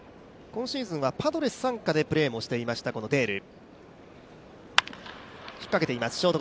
今シーズンはパドレス傘下でプレーしてましたデール。